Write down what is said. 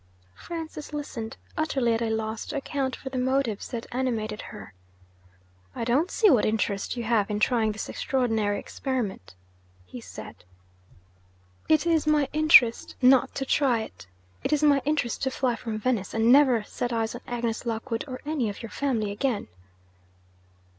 Francis listened, utterly at a loss to account for the motives that animated her. 'I don't see what interest you have in trying this extraordinary experiment,' he said. 'It is my interest not to try it! It is my interest to fly from Venice, and never set eyes on Agnes Lockwood or any of your family again!'